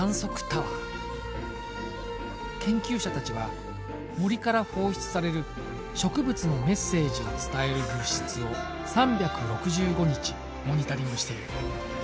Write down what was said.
研究者たちは森から放出される植物のメッセージを伝える物質を３６５日モニタリングしている。